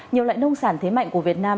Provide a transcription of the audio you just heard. nhiều loại nông sản thế mạnh của việt nam